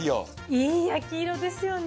いい焼き色ですよね。